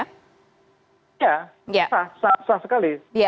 sah sah sah sekali